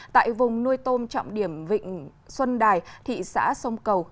tại vùng nuôi tôm trọng điểm vịnh xuân đài thị xã sông cầu